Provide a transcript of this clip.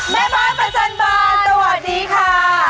แม่บ้านประจำบานต่อวันนี้ค่ะ